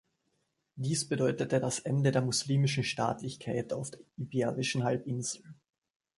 Dies bedeutete das Ende der muslimischen Staatlichkeit auf der Iberischen Halbinsel.